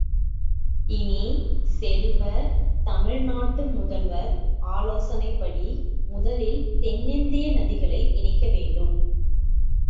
இனிய செல்வ, தமிழ் நாட்டு முதல்வர் ஆலோசனைப்படி முதலில் தென்னிந்திய நதிகளை இணைக்க வேண்டும்.